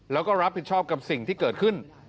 แล้วก็รับผิดชอบกับสิ่งที่เกิดขึ้น